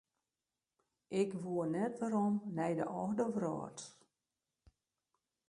Ik woe net werom nei dy âlde wrâld.